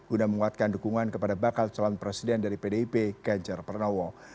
untuk menguatkan dukungan kepada bakal calon presiden dari pdip genjar pernowo